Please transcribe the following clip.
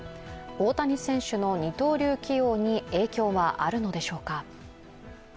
大谷選手の二刀流起用に影響はあるのでしょうか。